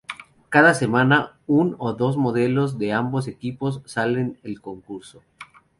Cada semana un o dos modelos de ambos equipos salen el concurso.